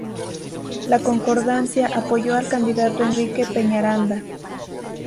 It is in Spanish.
La Concordancia apoyó al candidato Enrique Peñaranda.